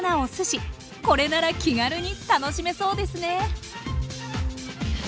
これなら気軽に楽しめそうですね